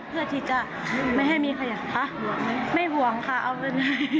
เพื่อที่จะไม่ให้มีขยะคะไม่ห่วงค่ะเอาเงิน